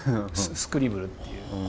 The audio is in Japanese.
スクリブルっていう。